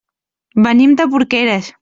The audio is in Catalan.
Venim de Porqueres.